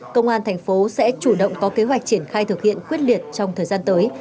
công an thành phố sẽ chủ động có kế hoạch triển khai thực hiện quyết liệt trong thời gian tới